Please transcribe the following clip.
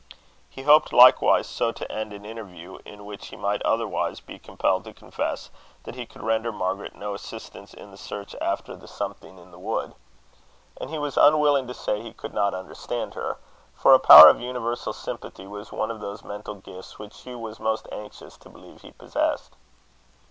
He hoped likewise so to end an interview, in which he might otherwise be compelled to confess that he could render Margaret no assistance in her search after the something in the wood; and he was unwilling to say he could not understand her; for a power of universal sympathy was one of those mental gifts which Hugh was most anxious to believe he possessed.